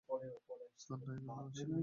Sir, Nayanar মা এসেছেন।